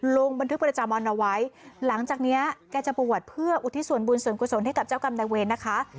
ลงบันทึกประจำวันเอาไว้หลังจากนี้แกจะบวชเพื่ออุทิศส่วนบุญส่วนกุศลให้กับเจ้ากรรมนายเวรนะคะ